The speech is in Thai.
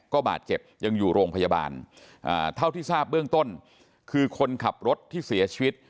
ก็บาดเจ็บยังอยู่โรงพยาบาลเท่าที่ทราบเบื้องต้นคือคนขับรถที่เสียชีวิต